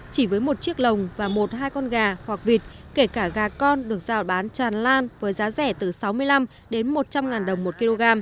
chỉ với một chiếc lồng và một hai con gà hoặc vịt kể cả gà con được giao bán tràn lan với giá rẻ từ sáu mươi năm đến một trăm linh ngàn đồng một kg